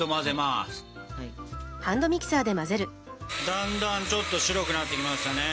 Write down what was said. だんだんちょっと白くなってきましたね。